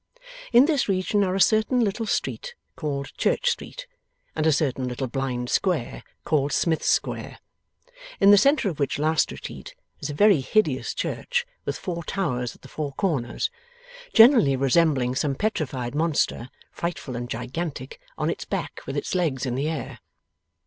In this region are a certain little street called Church Street, and a certain little blind square, called Smith Square, in the centre of which last retreat is a very hideous church with four towers at the four corners, generally resembling some petrified monster, frightful and gigantic, on its back with its legs in the air.